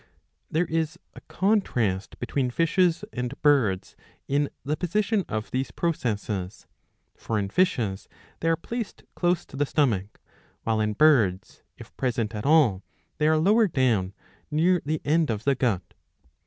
There is a contrast between fishes and birds in the position of these processes. For in fishes they are placed 675a. iii. 14. 89 close to the stomach ; while in birds, if present at all, they are lower down , near the end of the gut?